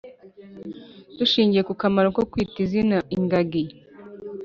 Dushingiye ku kamaro ko kwita izina ingagi